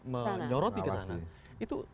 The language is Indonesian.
menyoroti ke sana itu